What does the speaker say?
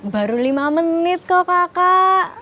baru lima menit kok kakak